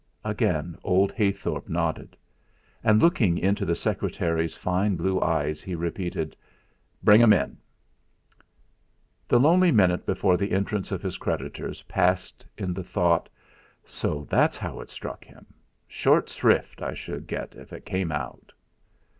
Again old Heythorp nodded; and, looking into the secretary's fine blue eyes, he repeated: "Bring 'em in." The lonely minute before the entrance of his creditors passed in the thought: 'So that's how it struck him! Short shrift I should get if it came out.'